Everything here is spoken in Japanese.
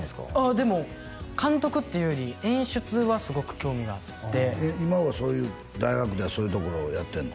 でも監督っていうより演出はすごく興味があって今は大学ではそういうところをやってんの？